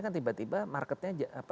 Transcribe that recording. kan tiba tiba marketnya